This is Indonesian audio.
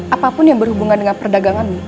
apapun yang berhubungan dengan perdaganganmu